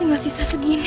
ini masih sesegini